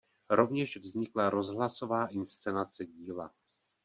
Rovněž vznikla rozhlasová inscenace díla.